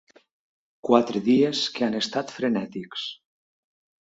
Quatre dies que han estat frenètics.